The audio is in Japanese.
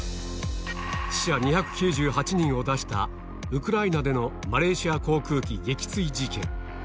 死者２９８人を出した、ウクライナでのマレーシア航空機撃墜事件。